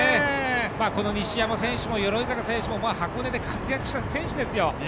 この鎧坂選手も西山選手も箱根で活躍した選手ですよ